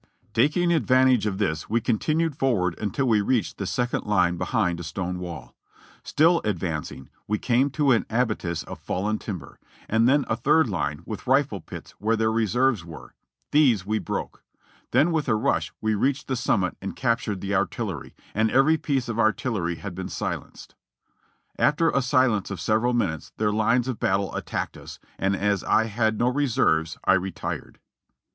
"Taking advantage of this we continued forward until we reached the second Hne behind a stone wall; still advancing, we came to an abattis of fallen timber, and then a third line with rifle pits where their reserves were ; these we broke. Then with a rush we reached the sunmiit and captured the artillery, and every piece of artillery had been silenced. After a silence of several minutes their lines of battle attacked us, and as I had no reserves, 1 retired." (Reb. Records, Vol.